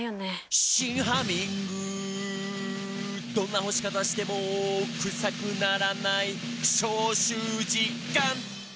「どんな干し方してもクサくならない」「消臭実感！」